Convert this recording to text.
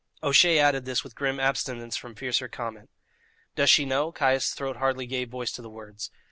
O'Shea added this with grim abstinence from fiercer comment. "Does she know?" Caius' throat hardly gave voice to the words.